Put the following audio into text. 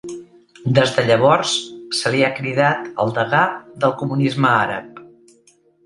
Des de llavors se li ha cridat el degà del comunisme àrab.